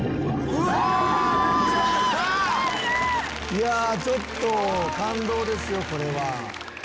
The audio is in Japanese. いやちょっと感動ですよこれは。